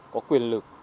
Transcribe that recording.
có quyền lực